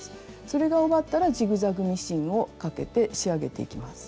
それが終わったらジグザグミシンをかけて仕上げていきます。